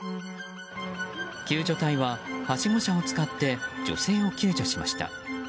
救助隊は、はしご車を使って女性を救助しました。